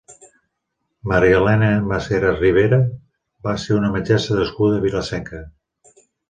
Marialena Maseras Ribera va ser una metgessa nascuda a Vila-seca.